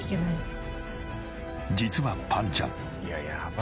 実はぱんちゃん。